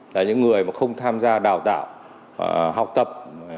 là những người mà không tham gia đào tạo học tập